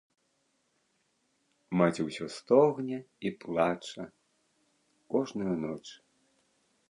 Маці ўсё стогне і плача кожную ноч.